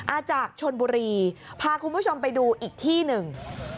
จากชนบุรีพาคุณผู้ชมไปดูอีกที่หนึ่ง